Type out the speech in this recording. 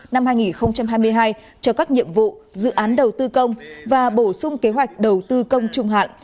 năm hai nghìn hai mươi hai cho các nhiệm vụ dự án đầu tư công và bổ sung kế hoạch đầu tư công trung hạn